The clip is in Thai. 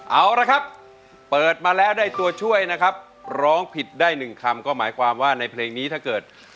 เอาละครับเปิดมาแล้วได้ตัวช่วยนะครับร้องผิดได้หนึ่งคำก็หมายความว่าในเพลงนี้ถ้าเกิด